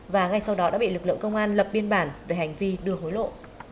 và ngay sau đó đã bị lực lượng công an lập biên bản về hành vi đưa hối lộ